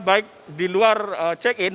baik di luar check in